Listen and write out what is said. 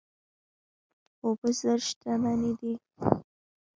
اوبه زر شتمني ده.